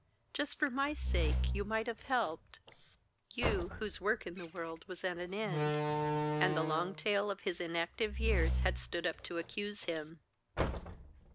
Just for my sake you might have helped, you whose work in the world was at an end." And the long tale of his inactive years had stood up to accuse him.